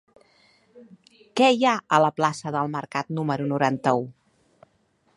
Què hi ha a la plaça del Mercat número noranta-u?